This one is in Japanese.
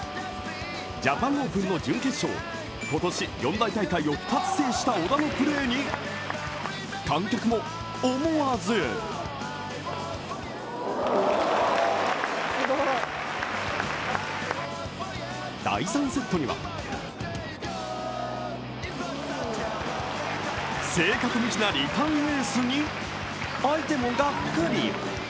ジャパンオープンの準決勝、今年、四大大会を２つ制した小田のプレーに観客も思わず第３セットには正確無比なリターンエースに相手もがっくり。